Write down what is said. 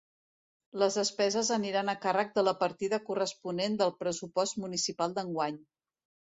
Les despeses aniran a càrrec de la partida corresponent del pressupost municipal d’enguany.